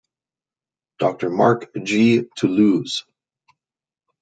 Doctor Mark G. Toulouse.